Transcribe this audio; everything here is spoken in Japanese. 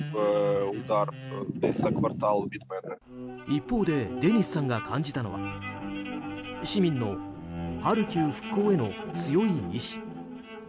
一方でデニスさんが感じたのは市民のハルキウ復興への強い意志。